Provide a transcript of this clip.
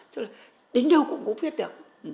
chứ là đến đâu cũng có viết được